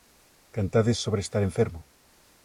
Cantades sobre estar enfermo.